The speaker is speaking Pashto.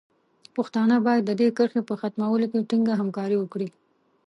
پښتانه باید د دې کرښې په ختمولو کې ټینګه همکاري وکړي.